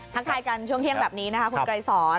ทักทายกันช่วงเที่ยงแบบนี้นะคะคุณไกรสอน